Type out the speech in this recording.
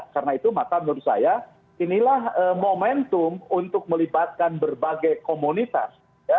karena itu maka menurut saya inilah momentum untuk melibatkan berbagai komunitas